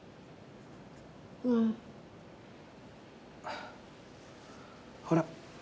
うん。ほら。